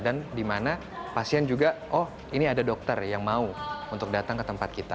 dan dimana pasien juga oh ini ada dokter yang mau untuk datang ke tempat kita